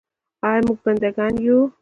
آیا موږ بنده ګان یو؟